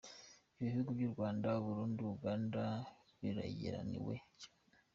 Ibihugu vy'u Rwanda, u Burundi na Uganda birageramiwe cane:.